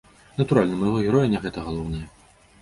Натуральна, у майго героя не гэта галоўнае.